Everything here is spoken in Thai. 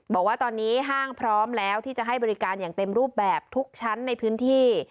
บอกว่าตอนนี้ห้างพร้อมแล้วที่จะให้บริการอย่างเต็มรูปแบบทุกชั้นในพื้นที่